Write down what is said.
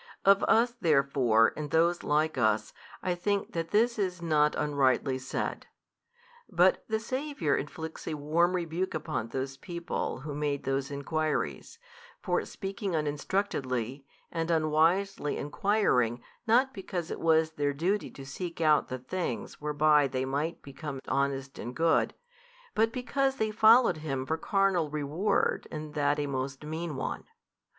Of us therefore and those like us I think that this is not unrightly said: but the Saviour inflicts a warm rebuke upon those who made those enquiries, for speaking uninstructedly, and unwisely enquiring not because it was their duty to seek out the things whereby they might become honest and good, but because they followed Him for carnal reward and that a most mean one.